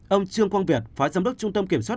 ông trương quang việt phó giám đốc trung tâm kiểm soát